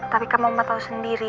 tapi kamu mau tau sendiri